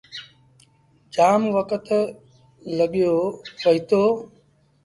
جآم وکت لڳيو وهيٚتو۔